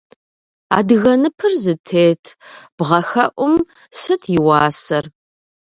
Адыгэ ныпыр зытет бгъэхэӏум сыт и уасэр?